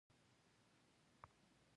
د هغو با کفایته، زړه ور او د امر خاوندانو.